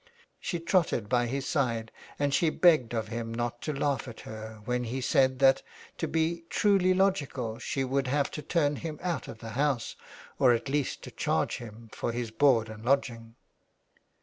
She trotted by his side, and she begged of him not to laugh at her when he said that to be truly logical she would have to turn him out of the house, or at least to charge him for his board and lodging.